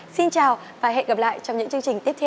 xin chào và hẹn gặp lại trong những chương trình tiếp theo